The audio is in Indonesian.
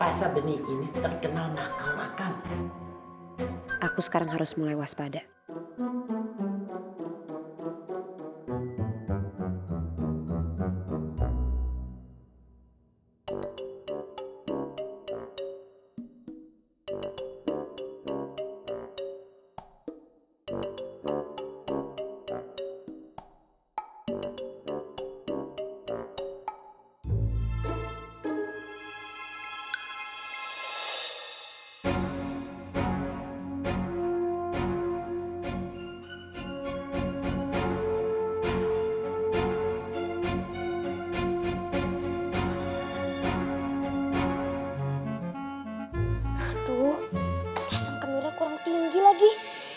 aduh langsung kemurnya kurang tinggi lagi